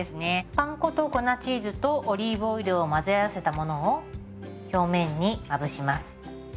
パン粉と粉チーズとオリーブオイルを混ぜ合わせたものを表面にまぶします。